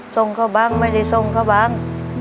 ส่งเข้าบ้างไม่ได้ส่งเข้าบ้าง